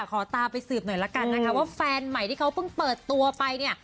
ขอตามไปสืบหน่อยละกันนะคะว่าแฟนใหม่ที่เขาเพิ่งเปิดตัวไปเนี่ย